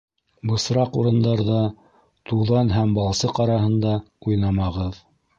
Бысраҡ урындарҙа, туҙан һәм балсыҡ араһында уйнамағыҙ.